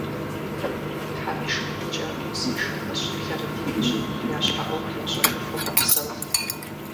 Тхьэм и шыкуркӀэ, узыншэхэщ, лъэрытетщ, я щхьэ Ӏуэху ящӀэжыфу мэпсэу.